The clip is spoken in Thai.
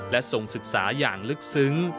และทรงศึกษาอย่างลึกซึ้ง